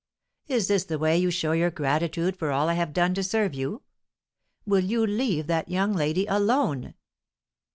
Is this the way you show your gratitude for all I have done to serve you? Will you leave that young lady alone?"